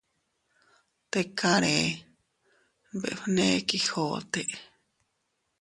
—Tikaree— nbefne Quijote—.